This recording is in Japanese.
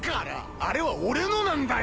あれは俺のなんだよ！